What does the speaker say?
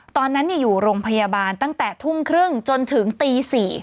ตอนนั้นอยู่โรงพยาบาลตั้งแต่ทุ่มครึ่งจนถึงตี๔